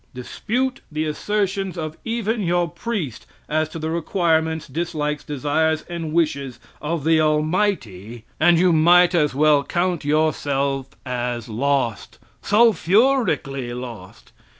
Dispute the assertions of even your priest as to the requirements, dislikes, desires and wishes of the Almighty, and you might as well count yourself as lost, sulphurically lost!